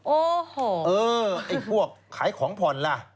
โอ้โหเออไอ้พวกขายของผ่อนล่ะ